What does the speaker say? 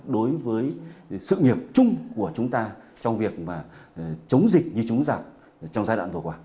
đối với sự nghiệp chung của chúng ta trong việc chống dịch như chống giặc trong giai đoạn vừa qua